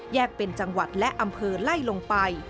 เป็นจังหวัดและอำเภอไล่ลงไป